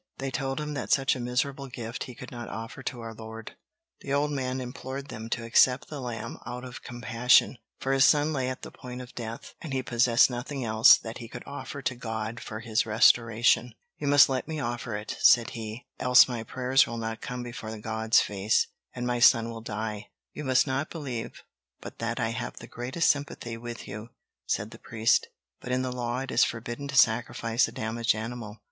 They told him that such a miserable gift he could not offer to our Lord. The old man implored them to accept the lamb out of compassion, for his son lay at the point of death, and he possessed nothing else that he could offer to God for his restoration. "You must let me offer it," said he, "else my prayers will not come before God's face, and my son will die!" "You must not believe but that I have the greatest sympathy with you," said the priest, "but in the law it is forbidden to sacrifice a damaged animal.